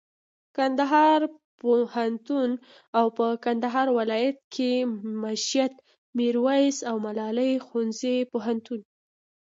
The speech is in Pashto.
کندهار پوهنتون او په کندهار ولایت کښي مېشت میرویس او ملالي خصوصي پوهنتون